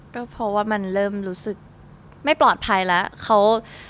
ก็เพราะว่ามันเริ่มรู้สึกไม่ปลอดภัยแล้ว